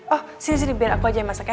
oh sini sini biar aku aja yang masak ya